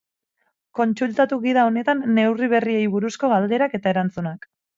Kontsultatu gida honetan neurri berriei buruzko galderak eta erantzunak.